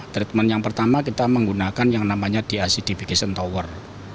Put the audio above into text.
treatment yang pertama kita menggunakan yang namanya deacidification tower